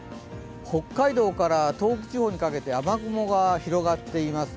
北海道から東北地方にかけて雨雲が広がっています。